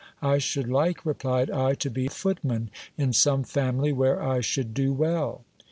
I should like, replied I, to be footman in some family where I should do well.